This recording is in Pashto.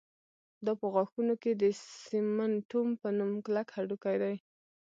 دا په غاښونو کې د سېمنټوم په نوم کلک هډوکی دی